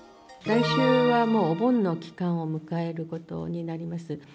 来週はもうお盆の期間を迎えることになります。